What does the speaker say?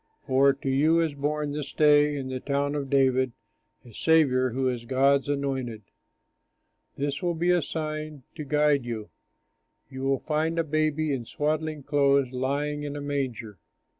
For to you is born this day in the town of David A Saviour who is God's Anointed. This will be a sign to guide you: You will find a baby in swaddling clothes lying in a manger."